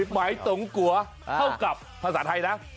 หมายตรงกัวเท่ากับภาษาไทยนะ